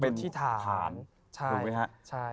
พระพุทธพิบูรณ์ท่านาภิรม